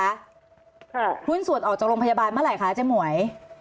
ค่ะหุ้นส่วนออกจากโรงพยาบาลเมื่อไหร่คะเจ๊หมวย